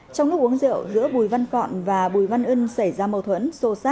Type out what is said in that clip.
trong lúc uống rượu giữa bùi văn phọn và bùi văn ân xảy ra mâu thuẫn